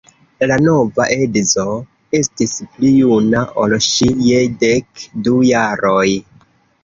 La nova edzo estis pli juna ol ŝi je dek du jaroj.